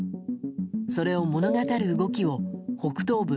それを物語る動きを北東部